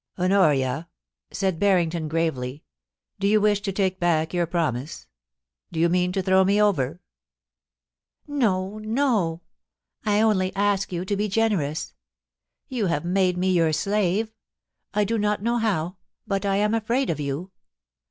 * Honoria,' said Barrington, gravely, * do you wish to take back your promise ? Do you mean to throw me over ?'* No, no ; I only ask you to be generous. You have made me your slave ; I do not know how — but I am afraid of you.